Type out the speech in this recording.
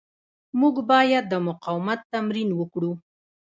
موږ باید د مقاومت تمرین وکړو.